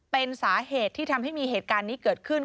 เป็นสาเหตุที่ทำให้มีเหตุการณ์นี้เกิดขึ้น